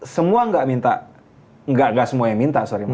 semua nggak minta nggak semua yang minta sorry